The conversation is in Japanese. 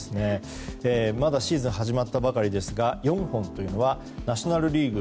まだシーズンが始まったばかりですが４本というのはナショナル・リーグ